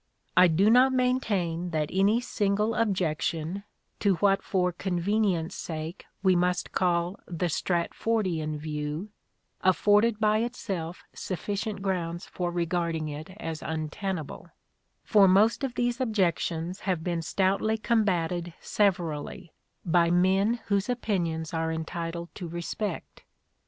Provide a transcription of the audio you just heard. I do not maintain that any single objection, to what for con venience sake we must call the Stratfordian view, afforded by itself sufficient grounds for regarding it as untenable ; for most of these objections have been stoutly combated severally, by men whose opinions are entitled to respect.